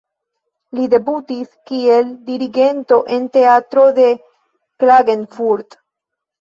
Li debutis kiel dirigento en teatro de Klagenfurt.